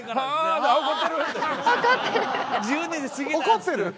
怒ってる？